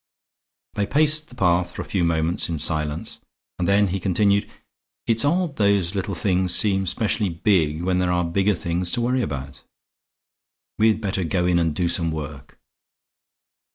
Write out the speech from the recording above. They paced the path for a few moments in silence and then he continued. "It's odd those little things seem specially big when there are bigger things to worry about. We'd better go in and do some work."